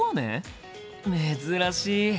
珍しい！